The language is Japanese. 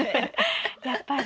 やっぱり？